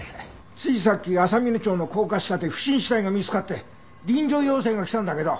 ついさっき浅峰町の高架下で不審死体が見つかって臨場要請が来たんだけど。